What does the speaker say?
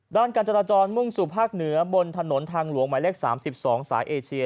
การจราจรมุ่งสู่ภาคเหนือบนถนนทางหลวงหมายเลข๓๒สายเอเชีย